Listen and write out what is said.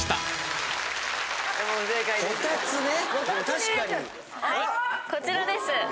こちらです。